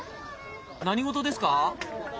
何事ですか？